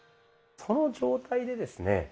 その状態でですね